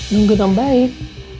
nungguin om baik